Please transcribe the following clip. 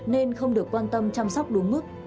nên không được quan tâm chăm sóc đúng mức